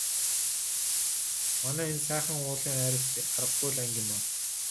Манай энэ Сайхан уулын айраг ч аргагүй л анги юмаа.